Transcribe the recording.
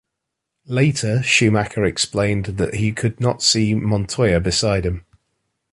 Later, Schumacher explained that he could not see Montoya beside him.